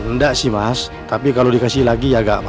nggak sih mas tapi kalau dikasih lagi ya gak apa apa